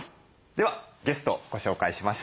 ではゲストご紹介しましょう。